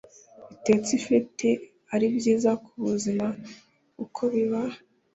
bitetse ifiriti ari byiza ku buzima kuko biba